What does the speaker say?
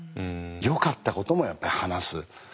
よかったこともやっぱり話す。